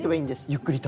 ゆっくりと。